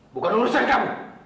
bukan urusan kamu